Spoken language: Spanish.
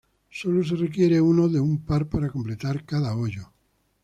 Solo se requiere uno de un par para completar cada hoyo.